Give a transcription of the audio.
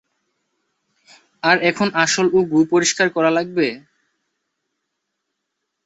আর এখন আসল গু পরিষ্কার করা লাগবে?